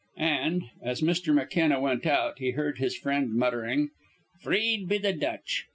And, as Mr. McKenna went out, he heard his friend muttering: "Freed be th' Dutch!